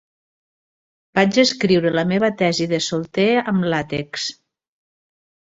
Vaig escriure la meva tesi de solter amb làtex.